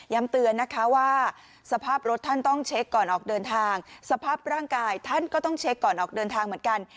เตือนนะคะว่าสภาพรถท่านต้องเช็คก่อนออกเดินทางสภาพร่างกายท่านก็ต้องเช็คก่อนออกเดินทางเหมือนกัน